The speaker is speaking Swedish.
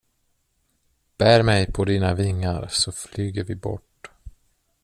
Bär mig på dina vingar så flyger vi bort.